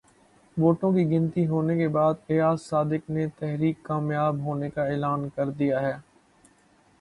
ووٹوں کی گنتی ہونے کے بعد ایاز صادق نے تحریک کامیاب ہونے کا اعلان کر دیا ہے